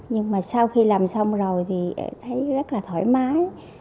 nhưng mà sau khi làm xong rồi thì thấy rất là thoải mái